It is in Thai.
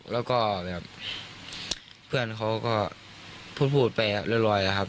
แล้วก็แบบเพื่อนเขาก็พูดพูดไปเรื่อยเรื่อยครับ